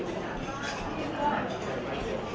โปรดติดตามต่อไป